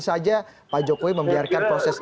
saja pak jokowi membiarkan proses